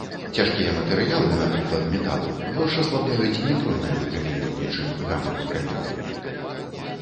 Цяжкія матэрыялы, напрыклад металы, горш аслабляюць нейтроннае выпраменьванне, чым гама-выпраменьванне.